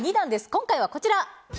今回はこちら。